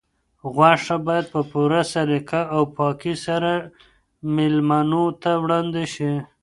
غوښه باید په پوره سلیقه او پاکۍ سره مېلمنو ته وړاندې شي.